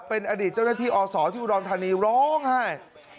เป็นอดีตเจ้าหน้าที่อศที่อุดรธานีร้องไห้